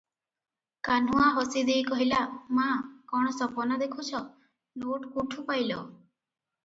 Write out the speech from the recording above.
କାହ୍ନୁଆ ହସି ଦେଇ କହିଲା- "ମା' କଣ ସପନ ଦେଖୁଛ- ନୋଟ କୁଠୁ ପାଇଲ?"